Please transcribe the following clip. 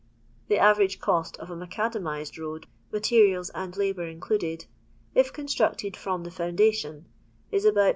The average cost of a macadamized road, materials and labour included, if constructed from the foundation, is about 4400